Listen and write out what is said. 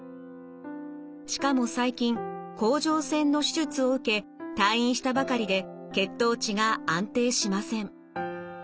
しかも最近甲状腺の手術を受け退院したばかりで血糖値が安定しません。